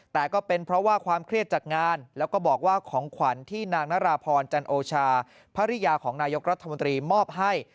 แต่ก็เป็นเพราะว่าความเครียดจากงานแล้วก็บอกว่าของขวัญที่นางนราพรจันโอชาภรรยาของนายกรัฐมนตรีมอบให้